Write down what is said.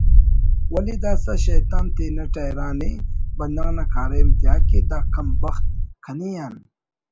ولے داسہ شیطان تینٹ حیران ءِ بندغ نا کاریم تیاکہ دا کم بخت کنے آن